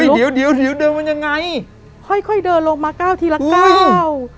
หรือเดี๋ยวเดินมันยังไงค่อยเดินลงมาเก้าทีละเก้า